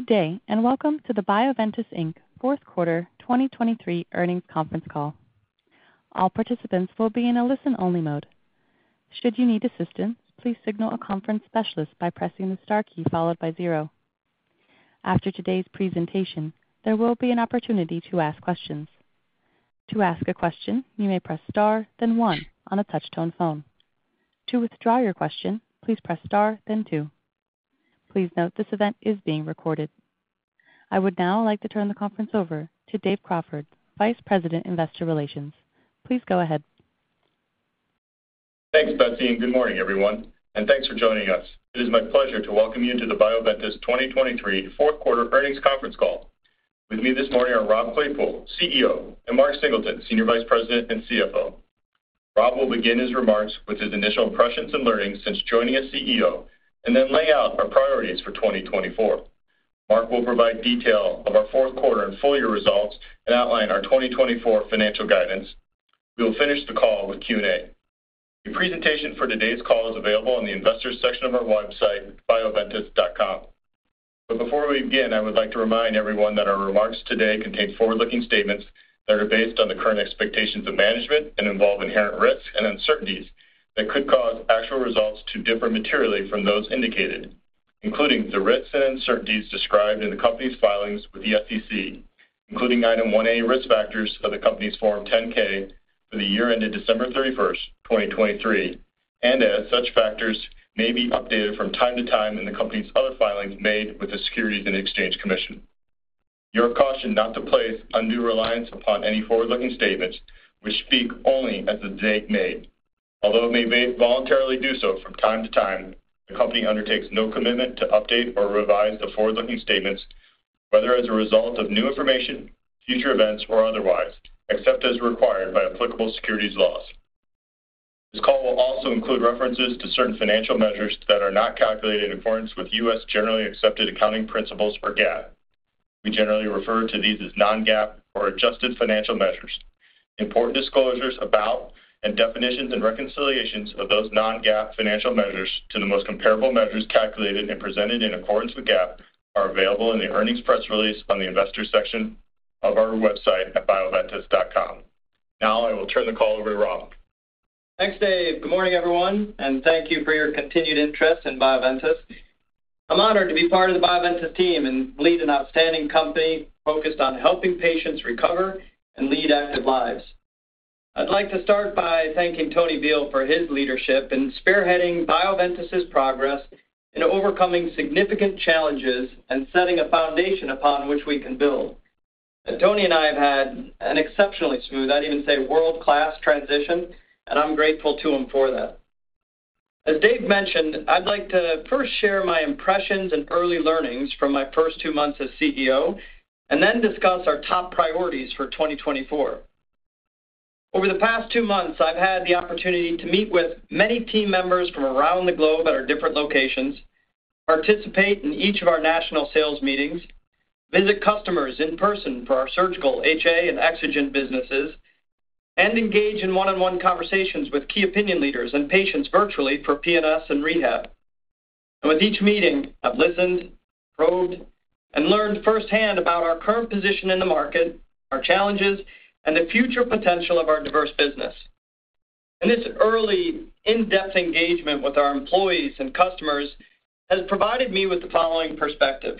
Good day and welcome to the Bioventus Inc. fourth quarter 2023 earnings conference call. All participants will be in a listen-only mode. Should you need assistance, please signal a conference specialist by pressing the star key followed by 0. After today's presentation, there will be an opportunity to ask questions. To ask a question, you may press star, then 1 on a touch-tone phone. To withdraw your question, please press star, then 2. Please note this event is being recorded. I would now like to turn the conference over to Dave Crawford, Vice President Investor Relations. Please go ahead. Thanks, Betsy. Good morning, everyone, and thanks for joining us. It is my pleasure to welcome you to the Bioventus 2023 fourth quarter earnings conference call. With me this morning are Rob Claypoole, CEO, and Mark Singleton, Senior Vice President and CFO. Rob will begin his remarks with his initial impressions and learnings since joining as CEO and then lay out our priorities for 2024. Mark will provide detail of our fourth quarter and full year results and outline our 2024 financial guidance. We will finish the call with Q&A. The presentation for today's call is available on the investors section of our website, bioventus.com. Before we begin, I would like to remind everyone that our remarks today contain forward-looking statements that are based on the current expectations of management and involve inherent risks and uncertainties that could cause actual results to differ materially from those indicated, including the risks and uncertainties described in the company's filings with the SEC, including Item 1A, risk factors of the company's Form 10-K for the year ended December 31st, 2023, and as such factors may be updated from time to time in the company's other filings made with the Securities and Exchange Commission. You are cautioned not to place undue reliance upon any forward-looking statements which speak only as the date made. Although it may voluntarily do so from time to time, the company undertakes no commitment to update or revise the forward-looking statements, whether as a result of new information, future events, or otherwise, except as required by applicable securities laws. This call will also include references to certain financial measures that are not calculated in accordance with U.S. generally accepted accounting principles, or GAAP. We generally refer to these as non-GAAP or adjusted financial measures. Important disclosures about and definitions and reconciliations of those non-GAAP financial measures to the most comparable measures calculated and presented in accordance with GAAP are available in the earnings press release on the investors section of our website at bioventus.com. Now I will turn the call over to Rob. Thanks, Dave. Good morning, everyone, and thank you for your continued interest in Bioventus. I'm honored to be part of the Bioventus team and lead an outstanding company focused on helping patients recover and lead active lives. I'd like to start by thanking Tony Bihl for his leadership in spearheading Bioventus's progress in overcoming significant challenges and setting a foundation upon which we can build. Tony and I have had an exceptionally smooth, I'd even say world-class transition, and I'm grateful to him for that. As Dave mentioned, I'd like to first share my impressions and early learnings from my first two months as CEO and then discuss our top priorities for 2024. Over the past two months, I've had the opportunity to meet with many team members from around the globe at our different locations, participate in each of our national sales meetings, visit customers in person for our surgical, HA, and EXOGEN businesses, and engage in one-on-one conversations with key opinion leaders and patients virtually for PNS and rehab. And with each meeting, I've listened, probed, and learned firsthand about our current position in the market, our challenges, and the future potential of our diverse business. And this early, in-depth engagement with our employees and customers has provided me with the following perspective: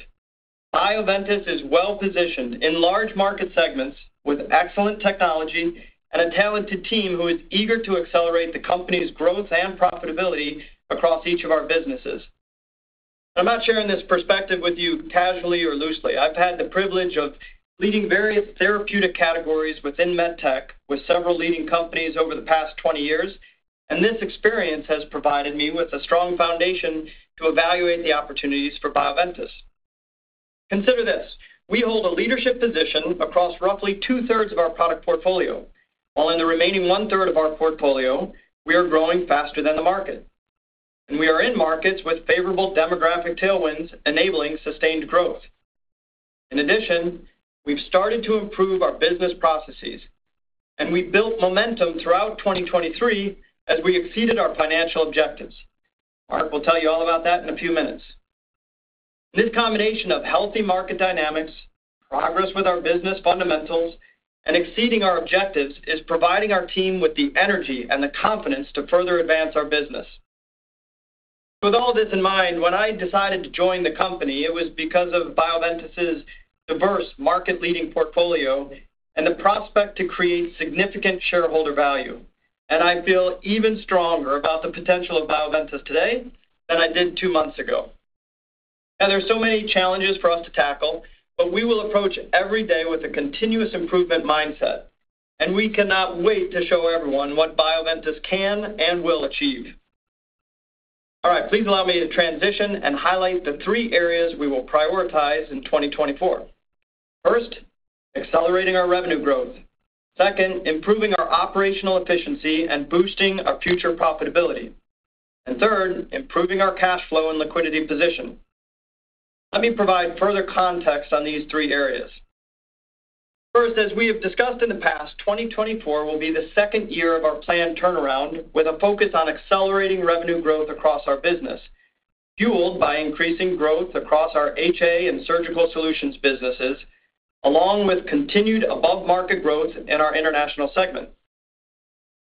Bioventus is well-positioned in large market segments with excellent technology and a talented team who is eager to accelerate the company's growth and profitability across each of our businesses. And I'm not sharing this perspective with you casually or loosely. I've had the privilege of leading various therapeutic categories within medtech with several leading companies over the past 20 years, and this experience has provided me with a strong foundation to evaluate the opportunities for Bioventus. Consider this: we hold a leadership position across roughly two-thirds of our product portfolio, while in the remaining one-third of our portfolio, we are growing faster than the market. We are in markets with favorable demographic tailwinds enabling sustained growth. In addition, we've started to improve our business processes, and we built momentum throughout 2023 as we exceeded our financial objectives. Mark will tell you all about that in a few minutes. This combination of healthy market dynamics, progress with our business fundamentals, and exceeding our objectives is providing our team with the energy and the confidence to further advance our business. With all of this in mind, when I decided to join the company, it was because of Bioventus's diverse market-leading portfolio and the prospect to create significant shareholder value. And I feel even stronger about the potential of Bioventus today than I did two months ago. Now, there are so many challenges for us to tackle, but we will approach every day with a continuous improvement mindset, and we cannot wait to show everyone what Bioventus can and will achieve. All right, please allow me to transition and highlight the three areas we will prioritize in 2024. First, accelerating our revenue growth. Second, improving our operational efficiency and boosting our future profitability. And third, improving our cash flow and liquidity position. Let me provide further context on these three areas. First, as we have discussed in the past, 2024 will be the second year of our planned turnaround with a focus on accelerating revenue growth across our business, fueled by increasing growth across our HA and Surgical Solutions businesses, along with continued above-market growth in our international segment.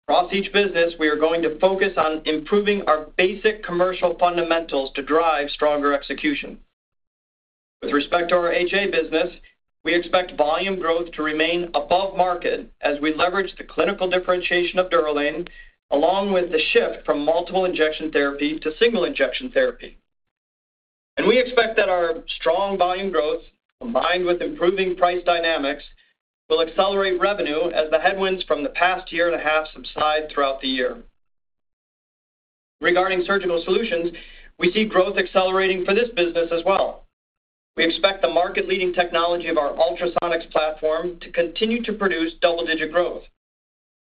Across each business, we are going to focus on improving our basic commercial fundamentals to drive stronger execution. With respect to our HA business, we expect volume growth to remain above-market as we leverage the clinical differentiation of DUROLANE along with the shift from multiple injection therapy to single injection therapy. We expect that our strong volume growth, combined with improving price dynamics, will accelerate revenue as the headwinds from the past year and a half subside throughout the year. Regarding Surgical Solutions, we see growth accelerating for this business as well. We expect the market-leading technology of our ultrasonics platform to continue to produce double-digit growth.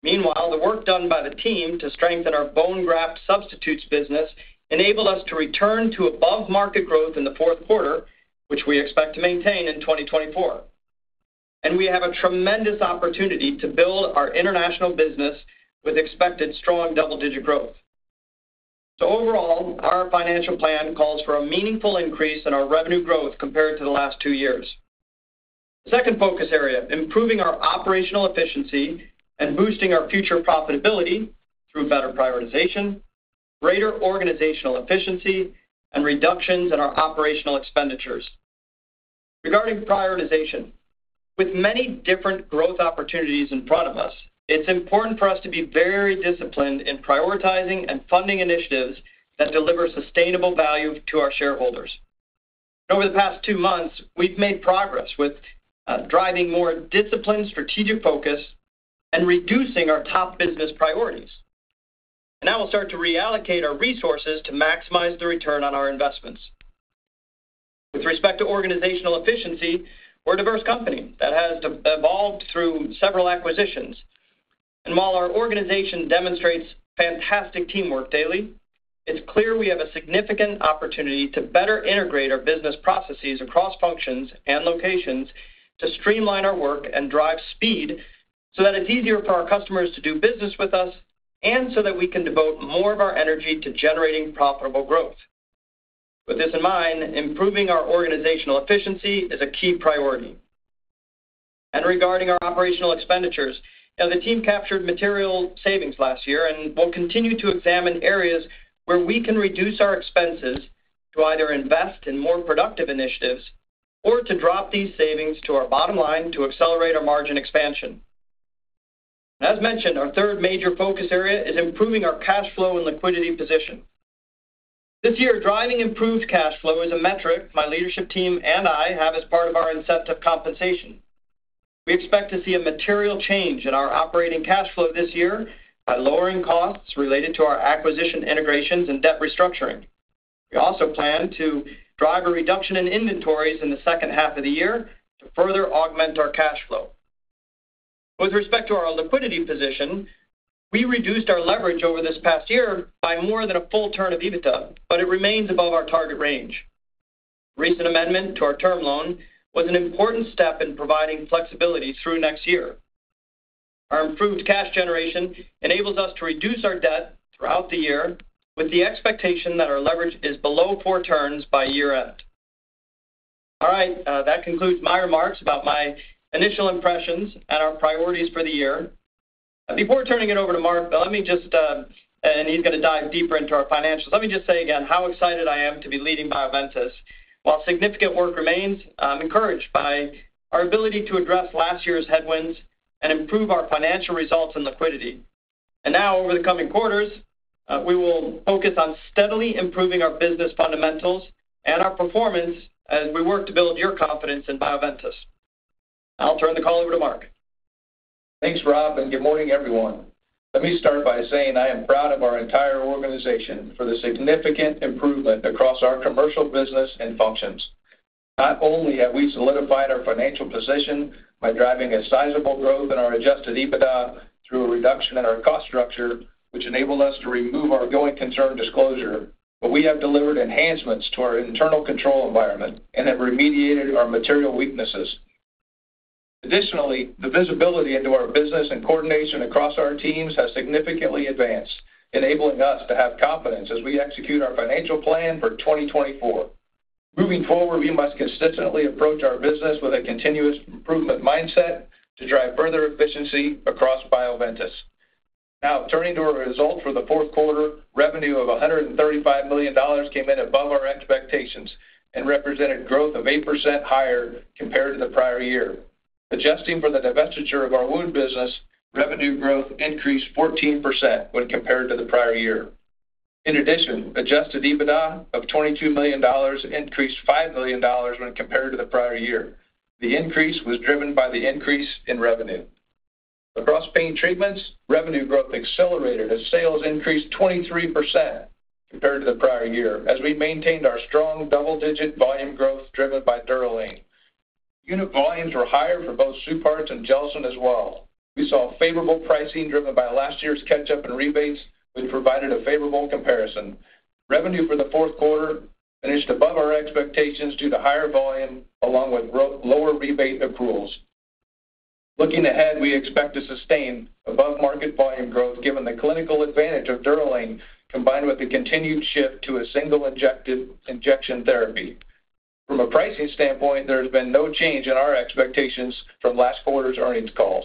Meanwhile, the work done by the team to strengthen our bone graft substitutes business enabled us to return to above-market growth in the fourth quarter, which we expect to maintain in 2024. And we have a tremendous opportunity to build our international business with expected strong double-digit growth. So overall, our financial plan calls for a meaningful increase in our revenue growth compared to the last two years. The second focus area, improving our operational efficiency and boosting our future profitability through better prioritization, greater organizational efficiency, and reductions in our operational expenditures. Regarding prioritization, with many different growth opportunities in front of us, it's important for us to be very disciplined in prioritizing and funding initiatives that deliver sustainable value to our shareholders. Over the past two months, we've made progress with driving more disciplined, strategic focus, and reducing our top business priorities. Now we'll start to reallocate our resources to maximize the return on our investments. With respect to organizational efficiency, we're a diverse company that has evolved through several acquisitions. And while our organization demonstrates fantastic teamwork daily, it's clear we have a significant opportunity to better integrate our business processes across functions and locations to streamline our work and drive speed so that it's easier for our customers to do business with us and so that we can devote more of our energy to generating profitable growth. With this in mind, improving our organizational efficiency is a key priority. Regarding our operational expenditures, the team captured material savings last year and will continue to examine areas where we can reduce our expenses to either invest in more productive initiatives or to drop these savings to our bottom line to accelerate our margin expansion. As mentioned, our third major focus area is improving our cash flow and liquidity position. This year, driving improved cash flow is a metric my leadership team and I have as part of our incentive compensation. We expect to see a material change in our operating cash flow this year by lowering costs related to our acquisition integrations and debt restructuring. We also plan to drive a reduction in inventories in the second half of the year to further augment our cash flow. With respect to our liquidity position, we reduced our leverage over this past year by more than a full turn of EBITDA, but it remains above our target range. The recent amendment to our term loan was an important step in providing flexibility through next year. Our improved cash generation enables us to reduce our debt throughout the year with the expectation that our leverage is below four turns by year-end. All right, that concludes my remarks about my initial impressions and our priorities for the year. Before turning it over to Mark, let me just, and he's going to dive deeper into our financials. Let me just say again how excited I am to be leading Bioventus. While significant work remains, I'm encouraged by our ability to address last year's headwinds and improve our financial results and liquidity. Now, over the coming quarters, we will focus on steadily improving our business fundamentals and our performance as we work to build your confidence in Bioventus. I'll turn the call over to Mark. Thanks, Rob, and good morning, everyone. Let me start by saying I am proud of our entire organization for the significant improvement across our commercial business and functions. Not only have we solidified our financial position by driving a sizable growth in our Adjusted EBITDA through a reduction in our cost structure, which enabled us to remove our going concern disclosure, but we have delivered enhancements to our internal control environment and have remediated our material weaknesses. Additionally, the visibility into our business and coordination across our teams has significantly advanced, enabling us to have confidence as we execute our financial plan for 2024. Moving forward, we must consistently approach our business with a continuous improvement mindset to drive further efficiency across Bioventus. Now, turning to our results for the fourth quarter, revenue of $135 million came in above our expectations and represented growth of 8% higher compared to the prior year. Adjusting for the divestiture of our wound business, revenue growth increased 14% when compared to the prior year. In addition, Adjusted EBITDA of $22 million increased $5 million when compared to the prior year. The increase was driven by the increase in revenue. Across Pain Treatments, revenue growth accelerated as sales increased 23% compared to the prior year as we maintained our strong double-digit volume growth driven by DUROLANE. Unit volumes were higher for both SUPARTZ and GELSYN-3 as well. We saw favorable pricing driven by last year's catch-up and rebates, which provided a favorable comparison. Revenue for the fourth quarter finished above our expectations due to higher volume along with lower rebate accruals. Looking ahead, we expect to sustain above-market volume growth given the clinical advantage of DUROLANE combined with the continued shift to a single injection therapy. From a pricing standpoint, there has been no change in our expectations from last quarter's earnings calls.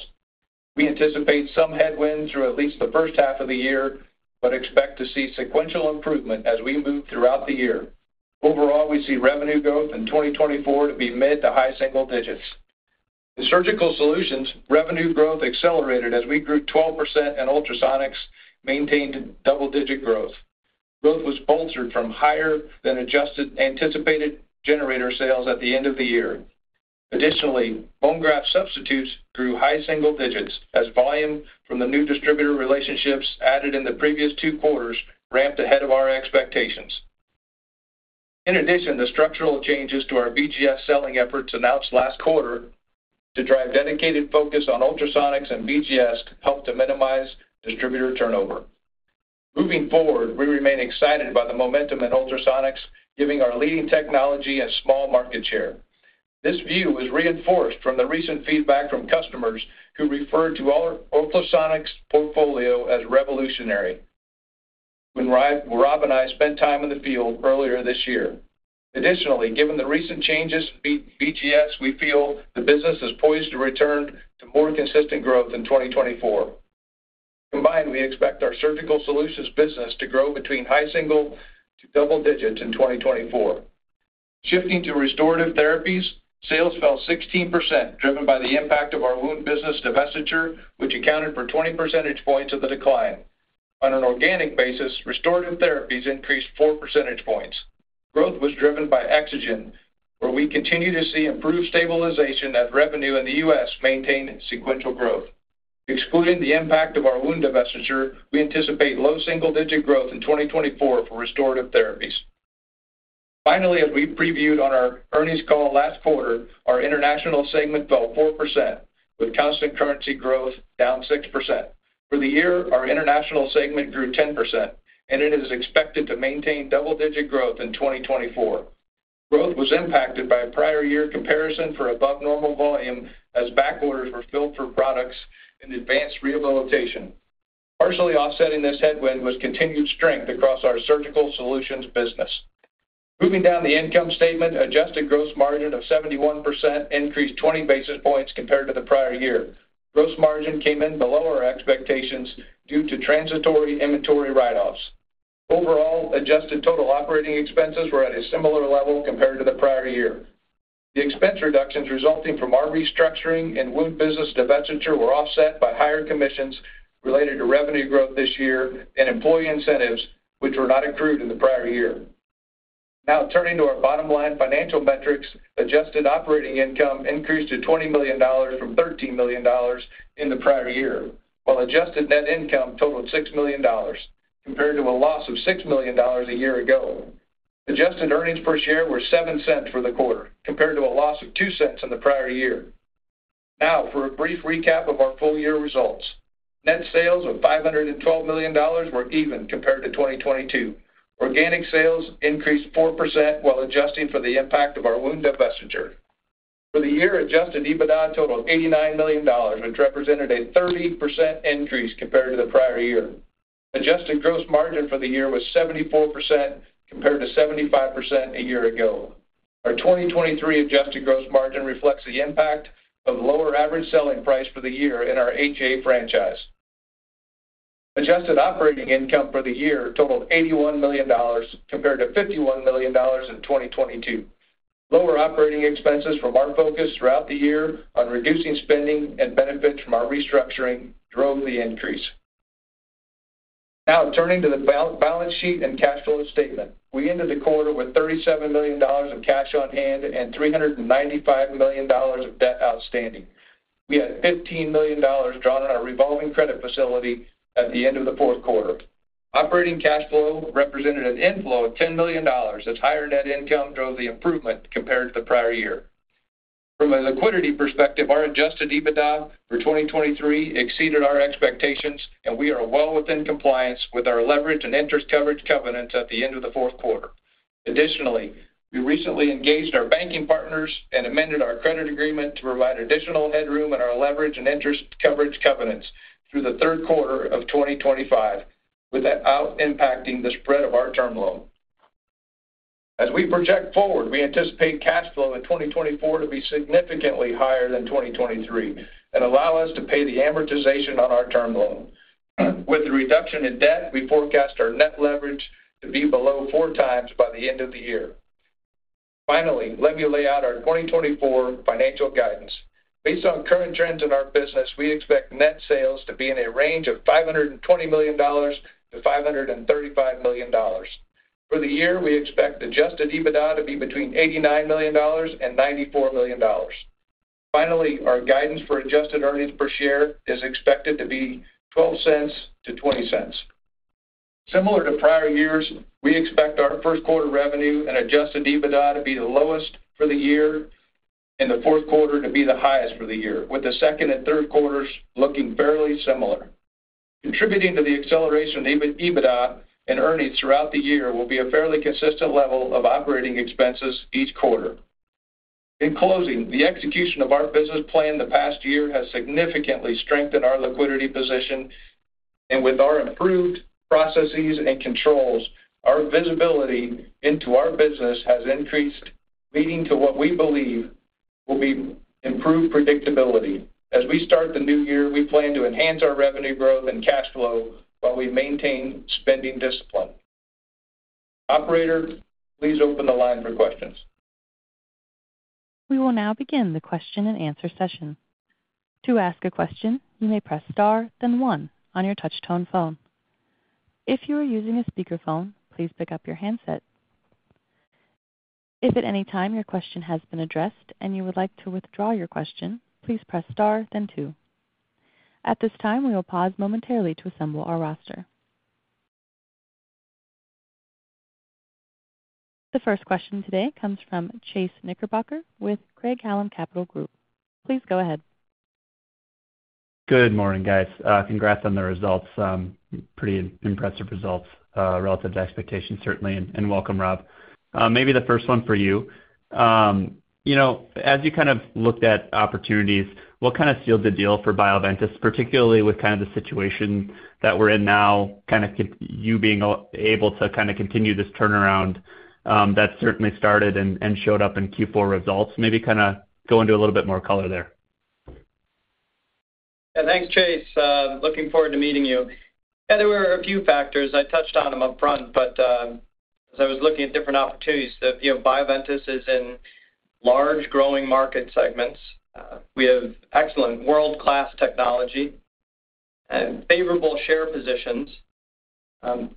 We anticipate some headwind through at least the first half of the year but expect to see sequential improvement as we move throughout the year. Overall, we see revenue growth in 2024 to be mid- to high-single-digits. In Surgical Solutions, revenue growth accelerated as we grew 12% and ultrasonics maintained double-digit growth. Growth was bolstered from higher than adjusted anticipated generator sales at the end of the year. Additionally, bone graft substitutes grew high-single-digits as volume from the new distributor relationships added in the previous two quarters ramped ahead of our expectations. In addition, the structural changes to our BGS selling efforts announced last quarter to drive dedicated focus on ultrasonics and BGS helped to minimize distributor turnover. Moving forward, we remain excited by the momentum in ultrasonics, giving our leading technology a small market share. This view was reinforced from the recent feedback from customers who referred to our ultrasonics portfolio as revolutionary when Rob and I spent time in the field earlier this year. Additionally, given the recent changes in BGS, we feel the business is poised to return to more consistent growth in 2024. Combined, we expect our surgical solutions business to grow between high single-digits to double-digits in 2024. Shifting to Restorative Therapies, sales fell 16% driven by the impact of our wound business divestiture, which accounted for 20 percentage points of the decline. On an organic basis, Restorative Therapies increased 4 percentage points. Growth was driven by EXOGEN, where we continue to see improved stabilization as revenue in the U.S. maintained sequential growth. Excluding the impact of our wound divestiture, we anticipate low single-digit growth in 2024 for Restorative Therapies. Finally, as we previewed on our earnings call last quarter, our international segment fell 4% with constant currency growth down 6%. For the year, our international segment grew 10%, and it is expected to maintain double-digit growth in 2024. Growth was impacted by a prior year comparison for above-normal volume as backorders were filled for products and advanced rehabilitation. Partially offsetting this headwind was continued strength across our Surgical Solutions business. Moving down the income statement, adjusted gross margin of 71% increased 20 basis points compared to the prior year. Gross margin came in below our expectations due to transitory inventory write-offs. Overall, adjusted total operating expenses were at a similar level compared to the prior year. The expense reductions resulting from our restructuring and wound business divestiture were offset by higher commissions related to revenue growth this year and employee incentives, which were not accrued in the prior year. Now, turning to our bottom line financial metrics, adjusted operating income increased to $20 million from $13 million in the prior year, while adjusted net income totaled $6 million compared to a loss of $6 million a year ago. Adjusted earnings per share were $0.07 for the quarter compared to a loss of $0.02 in the prior year. Now, for a brief recap of our full-year results, net sales of $512 million were even compared to 2022. Organic sales increased 4% while adjusting for the impact of our wound divestiture. For the year, Adjusted EBITDA totaled $89 million, which represented a 30% increase compared to the prior year. Adjusted gross margin for the year was 74% compared to 75% a year ago. Our 2023 adjusted gross margin reflects the impact of lower average selling price for the year in our HA franchise. Adjusted operating income for the year totaled $81 million compared to $51 million in 2022. Lower operating expenses from our focus throughout the year on reducing spending and benefits from our restructuring drove the increase. Now, turning to the balance sheet and cash flow statement, we ended the quarter with $37 million of cash on hand and $395 million of debt outstanding. We had $15 million drawn on our revolving credit facility at the end of the fourth quarter. Operating cash flow represented an inflow of $10 million as higher net income drove the improvement compared to the prior year. From a liquidity perspective, our Adjusted EBITDA for 2023 exceeded our expectations, and we are well within compliance with our leverage and interest coverage covenants at the end of the fourth quarter. Additionally, we recently engaged our banking partners and amended our credit agreement to provide additional headroom in our leverage and interest coverage covenants through the third quarter of 2025, without impacting the spread of our term loan. As we project forward, we anticipate cash flow in 2024 to be significantly higher than 2023 and allow us to pay the amortization on our term loan. With the reduction in debt, we forecast our net leverage to be below four times by the end of the year. Finally, let me lay out our 2024 financial guidance. Based on current trends in our business, we expect net sales to be in a range of $520 million-$535 million. For the year, we expect Adjusted EBITDA to be between $89 million and $94 million. Finally, our guidance for adjusted earnings per share is expected to be $0.12-$0.20. Similar to prior years, we expect our first quarter revenue and Adjusted EBITDA to be the lowest for the year and the fourth quarter to be the highest for the year, with the second and third quarters looking fairly similar. Contributing to the acceleration of EBITDA and earnings throughout the year will be a fairly consistent level of operating expenses each quarter. In closing, the execution of our business plan the past year has significantly strengthened our liquidity position, and with our improved processes and controls, our visibility into our business has increased, leading to what we believe will be improved predictability. As we start the new year, we plan to enhance our revenue growth and cash flow while we maintain spending discipline. Operator, please open the line for questions. We will now begin the question and answer session. To ask a question, you may press star, then one, on your touch-tone phone. If you are using a speakerphone, please pick up your handset. If at any time your question has been addressed and you would like to withdraw your question, please press star, then two. At this time, we will pause momentarily to assemble our roster. The first question today comes from Chase Knickerbocker with Craig-Hallum Capital Group. Please go ahead. Good morning, guys. Congrats on the results. Pretty impressive results relative to expectations, certainly. Welcome, Rob. Maybe the first one for you. As you kind of looked at opportunities, what kind of sealed the deal for Bioventus, particularly with kind of the situation that we're in now, kind of you being able to kind of continue this turnaround that certainly started and showed up in Q4 results? Maybe kind of go into a little bit more color there. Yeah, thanks, Chase. Looking forward to meeting you. Yeah, there were a few factors. I touched on them upfront, but as I was looking at different opportunities, Bioventus is in large, growing market segments. We have excellent, world-class technology and favorable share positions.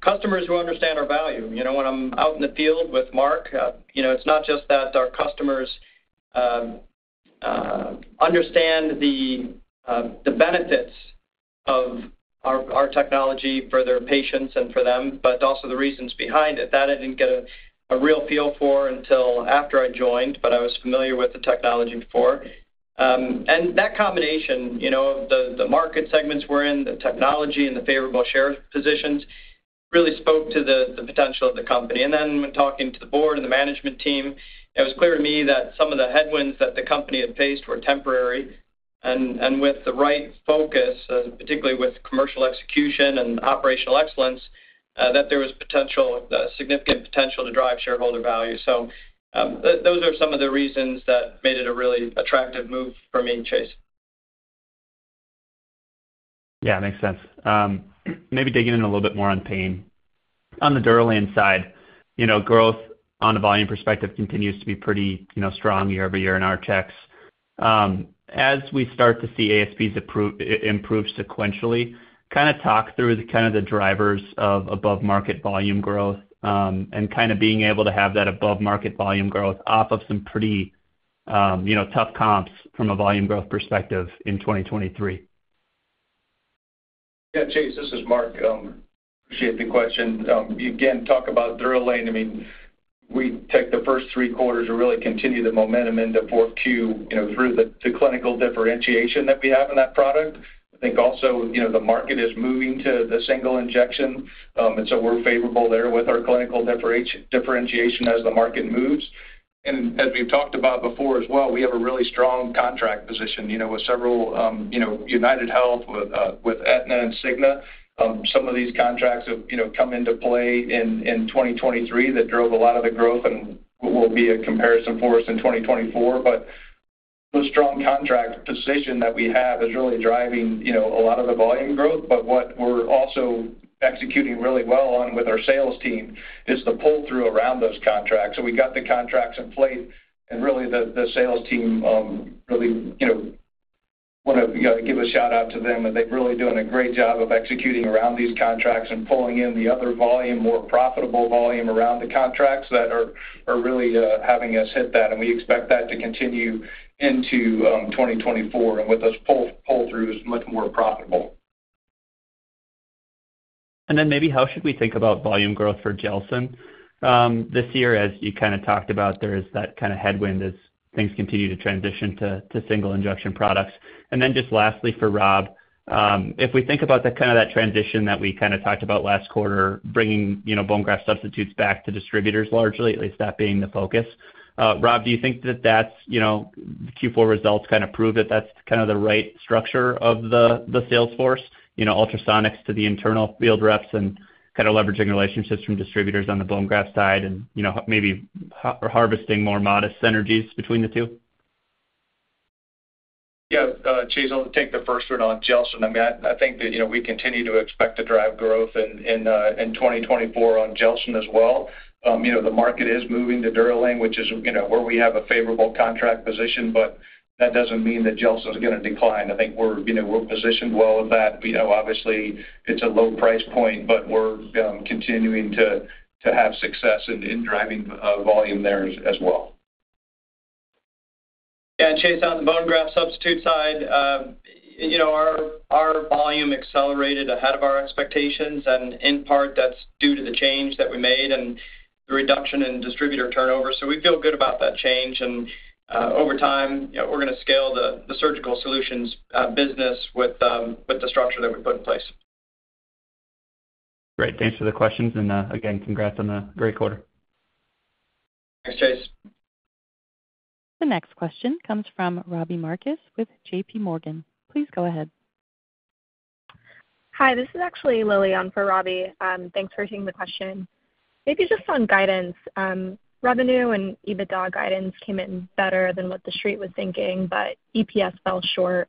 Customers who understand our value. When I'm out in the field with Mark, it's not just that our customers understand the benefits of our technology for their patients and for them, but also the reasons behind it. That I didn't get a real feel for until after I joined, but I was familiar with the technology before. That combination of the market segments we're in, the technology, and the favorable share positions really spoke to the potential of the company. Then when talking to the board and the management team, it was clear to me that some of the headwinds that the company had faced were temporary. With the right focus, particularly with commercial execution and operational excellence, that there was significant potential to drive shareholder value. Those are some of the reasons that made it a really attractive move for me, Chase. Yeah, makes sense. Maybe digging in a little bit more on pain. On the DUROLANE side, growth on a volume perspective continues to be pretty strong year-over-year in our checks. As we start to see ASPs improve sequentially, kind of talk through kind of the drivers of above-market volume growth and kind of being able to have that above-market volume growth off of some pretty tough comps from a volume growth perspective in 2023. Yeah, Chase, this is Mark. Appreciate the question. Again, talk about DUROLANE. I mean, we take the first three quarters and really continue the momentum into fourth Q through the clinical differentiation that we have in that product. I think also the market is moving to the single injection, and so we're favorable there with our clinical differentiation as the market moves. And as we've talked about before as well, we have a really strong contract position with several UnitedHealth, with Aetna, and Cigna. Some of these contracts have come into play in 2023 that drove a lot of the growth and will be a comparison for us in 2024. But the strong contract position that we have is really driving a lot of the volume growth. But what we're also executing really well on with our sales team is the pull-through around those contracts. So we got the contracts in place, and really the sales team really want to give a shout-out to them. They've really done a great job of executing around these contracts and pulling in the other volume, more profitable volume, around the contracts that are really having us hit that. And we expect that to continue into 2024, and with us pull-through, it's much more profitable. Then maybe how should we think about volume growth for GELSYN-3? This year, as you kind of talked about, there is that kind of headwind as things continue to transition to single-injection products. And then just lastly for Rob, if we think about kind of that transition that we kind of talked about last quarter, bringing bone graft substitutes back to distributors largely, at least that being the focus, Rob, do you think that that's Q4 results kind of prove that that's kind of the right structure of the sales force, ultrasonics to the internal field reps and kind of leveraging relationships from distributors on the bone graft side and maybe harvesting more modest synergies between the two? Yeah, Chase, I'll take the first one on Gelsyn-3. I mean, I think that we continue to expect to drive growth in 2024 on Gelsyn-3 as well. The market is moving to Durolane, which is where we have a favorable contract position, but that doesn't mean that Gelsyn-3's going to decline. I think we're positioned well with that. Obviously, it's a low price point, but we're continuing to have success in driving volume there as well. Yeah, Chase, on the bone graft substitute side, our volume accelerated ahead of our expectations. In part, that's due to the change that we made and the reduction in distributor turnover. We feel good about that change. Over time, we're going to scale the surgical solutions business with the structure that we put in place. Great. Thanks for the questions. Again, congrats on the great quarter. Thanks, Chase. The next question comes from Robbie Marcus with JPMorgan. Please go ahead. Hi, this is actually Lilian for Robbie. Thanks for taking the question. Maybe just on guidance, revenue and EBITDA guidance came in better than what the street was thinking, but EPS fell short.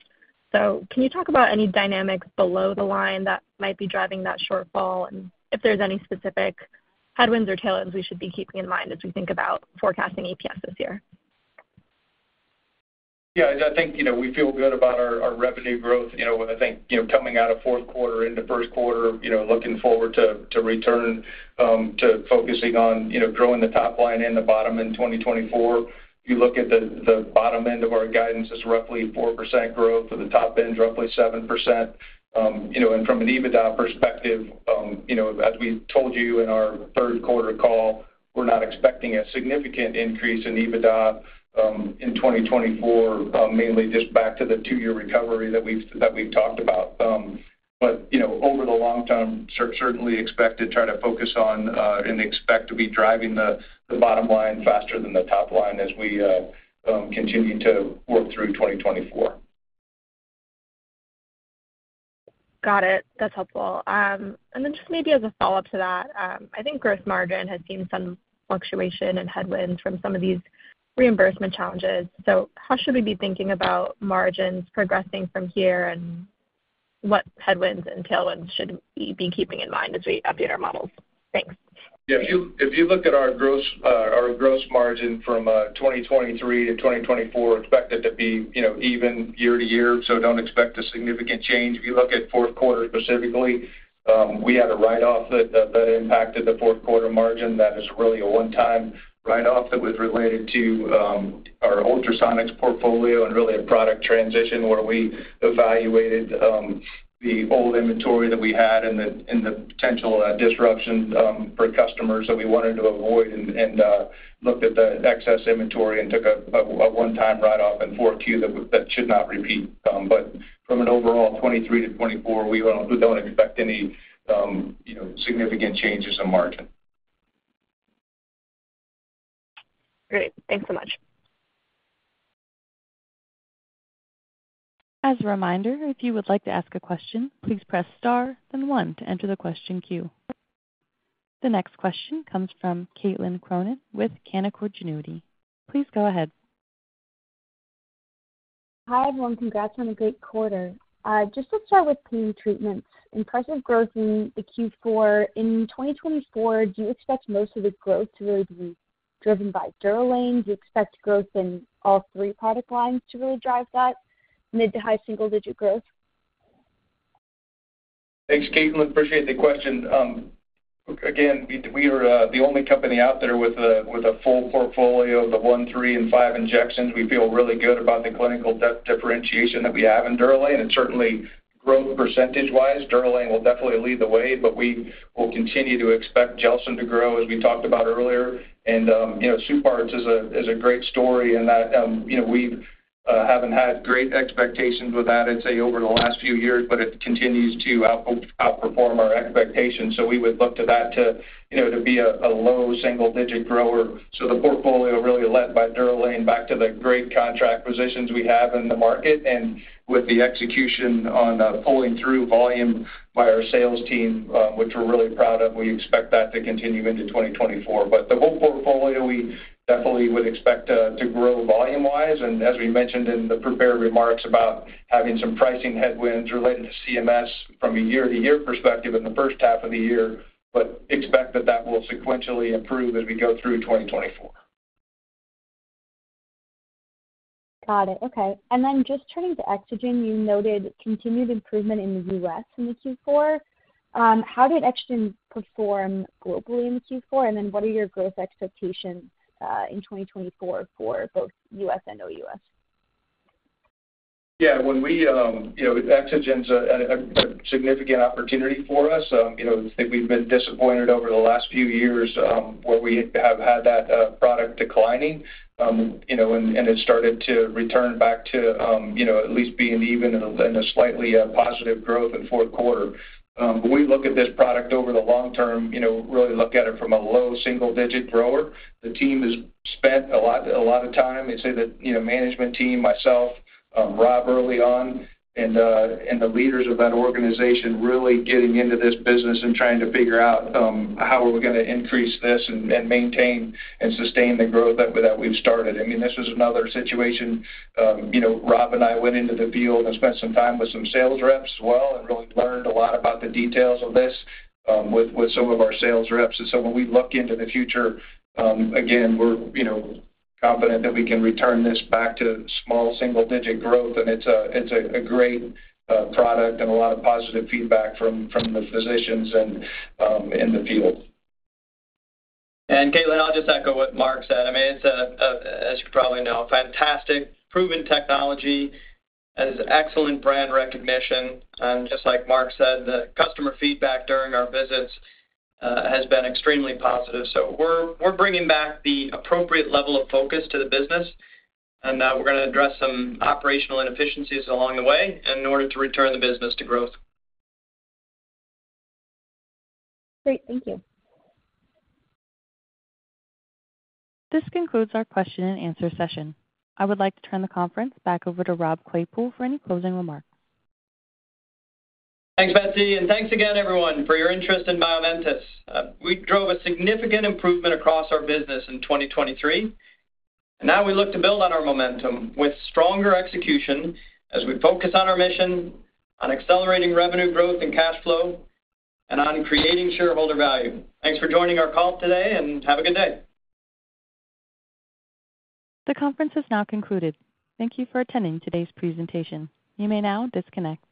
So can you talk about any dynamics below the line that might be driving that shortfall and if there's any specific headwinds or tailwinds we should be keeping in mind as we think about forecasting EPS this year? Yeah, I think we feel good about our revenue growth. I think coming out of fourth quarter into first quarter, looking forward to return, to focusing on growing the top line and the bottom in 2024, you look at the bottom end of our guidance, it's roughly 4% growth. The top end's roughly 7%. And from an EBITDA perspective, as we told you in our third quarter call, we're not expecting a significant increase in EBITDA in 2024, mainly just back to the two-year recovery that we've talked about. But over the long term, certainly expect to try to focus on and expect to be driving the bottom line faster than the top line as we continue to work through 2024. Got it. That's helpful. And then just maybe as a follow-up to that, I think gross margin has seen some fluctuation and headwinds from some of these reimbursement challenges. So how should we be thinking about margins progressing from here, and what headwinds and tailwinds should we be keeping in mind as we update our models? Thanks. Yeah, if you look at our growth margin from 2023 to 2024, expect it to be even year to year. So don't expect a significant change. If you look at fourth quarter specifically, we had a write-off that impacted the fourth quarter margin. That is really a one-time write-off that was related to our ultrasonics portfolio and really a product transition where we evaluated the old inventory that we had and the potential disruption for customers that we wanted to avoid and looked at the excess inventory and took a one-time write-off in fourth Q that should not repeat. But from an overall 2023 to 2024, we don't expect any significant changes in margin. Great. Thanks so much. As a reminder, if you would like to ask a question, please press star, then one, to enter the question queue. The next question comes from Caitlin Cronin with Canaccord Genuity. Please go ahead. Hi, everyone. Congrats on a great quarter. Just to start with Pain Treatments, impressive growth in the Q4. In 2024, do you expect most of the growth to really be driven by DUROLANE? Do you expect growth in all three product lines to really drive that mid- to high-single-digit growth? Thanks, Caitlin. Appreciate the question. Again, we are the only company out there with a full portfolio of the 1, 3, and 5 injections. We feel really good about the clinical differentiation that we have in DUROLANE. And certainly, growth percentage-wise, DUROLANE will definitely lead the way, but we will continue to expect GELSYN-3 to grow, as we talked about earlier. And SUPARTZ FX is a great story in that we haven't had great expectations with that, I'd say, over the last few years, but it continues to outperform our expectations. So we would look to that to be a low single-digit grower. So the portfolio really led by DUROLANE back to the great contract positions we have in the market. And with the execution on pulling through volume by our sales team, which we're really proud of, we expect that to continue into 2024. But the whole portfolio, we definitely would expect to grow volume-wise. And as we mentioned in the prepared remarks about having some pricing headwinds related to CMS from a year-to-year perspective in the first half of the year, but expect that that will sequentially improve as we go through 2024. Got it. Okay. And then just turning to EXOGEN, you noted continued improvement in the US in the Q4. How did EXOGEN perform globally in the Q4? And then what are your growth expectations in 2024 for both US and OUS? Yeah, EXOGEN's a significant opportunity for us. I think we've been disappointed over the last few years where we have had that product declining, and it started to return back to at least being even and a slightly positive growth in fourth quarter. But we look at this product over the long term, really look at it from a low single-digit grower. The team has spent a lot of time. I'd say the management team, myself, Rob early on, and the leaders of that organization really getting into this business and trying to figure out how are we going to increase this and maintain and sustain the growth that we've started. I mean, this was another situation. Rob and I went into the field and spent some time with some sales reps as well and really learned a lot about the details of this with some of our sales reps. And so when we look into the future, again, we're confident that we can return this back to small single-digit growth. And it's a great product and a lot of positive feedback from the physicians in the field. Caitlin, I'll just echo what Mark said. I mean, it's a, as you probably know, fantastic, proven technology and excellent brand recognition. Just like Mark said, the customer feedback during our visits has been extremely positive. We're bringing back the appropriate level of focus to the business. We're going to address some operational inefficiencies along the way in order to return the business to growth. Great. Thank you. This concludes our question-and-answer session. I would like to turn the conference back over to Rob Claypoole for any closing remarks. Thanks, Betsy. Thanks again, everyone, for your interest in Bioventus. We drove a significant improvement across our business in 2023. Now we look to build on our momentum with stronger execution as we focus on our mission, on accelerating revenue growth and cash flow, and on creating shareholder value. Thanks for joining our call today, and have a good day. The conference is now concluded. Thank you for attending today's presentation. You may now disconnect.